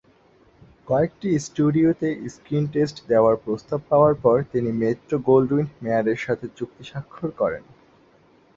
কয়েকটি স্টুডিওতে screen test দেওয়ার প্রস্তাব পাওয়ার পর তিনি মেট্রো-গোল্ডউইন-মেয়ারের সাথে চুক্তি স্বাক্ষর করেন।